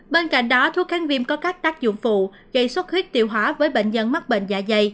bên cạnh đó thuốc kháng viêm có các tác dụng phụ gây xuất huyết tiêu hóa với bệnh nhân mắc bệnh dạ dày